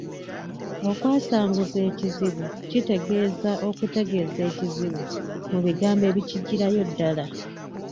Okwasanguza ekizibu kitegeeza okutegeeza ekizibu mu bigambo ebikijjirayo ddala.